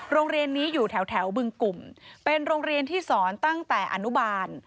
โรงเรียนนี้อยู่แถวบึงกลุ่มเป็นโรงเรียนที่สอนตั้งแต่อนุบาล